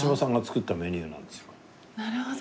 なるほど。